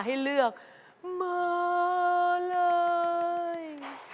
เหมือนกันเลย